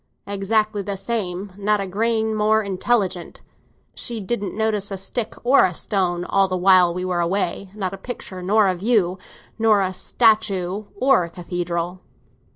"Exactly the same; not a grain more intelligent. She didn't notice a stick or a stone all the while we were away—not a picture nor a view, not a statue nor a cathedral."